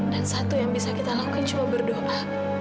dan satu yang bisa kita lakukan cuma berdoa